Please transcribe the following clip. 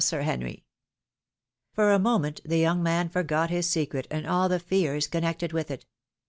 Sir Henry." For a moment the young man forgot his secret, and aD. the fears connected with it.